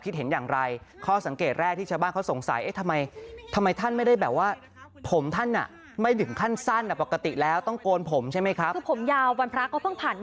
คิดเห็นอย่างไรข้อสังเกตแรกที่ชาวบ้านเขาสงสัย